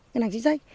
ngân hàng chính sách